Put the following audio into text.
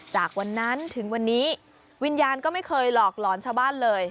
จากวันนั้นถึงวันนี้วิญญาณก็ไม่เคยหลอกหลอนชาวบ้านเลย